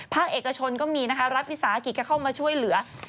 เอกชนก็มีนะคะรัฐวิสาหกิจก็เข้ามาช่วยเหลือ